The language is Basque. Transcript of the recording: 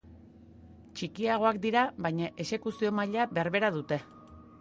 Txikiagoak dira, baina exekuzio-maila berbera dute.